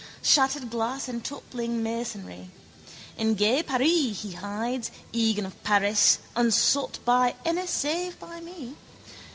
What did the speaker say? Shattered glass and toppling masonry. In gay Paree he hides, Egan of Paris, unsought by any save by me.